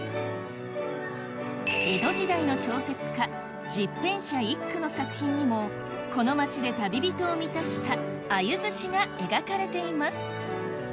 江戸時代の小説家十返舎一九の作品にもこの街で旅人を満たした鮎寿司が描かれています